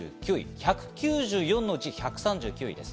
１９４のうち１３９位です。